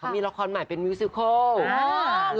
มีละครใหม่เป็นมิวซิโคล